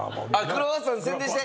クロワッサン宣伝して。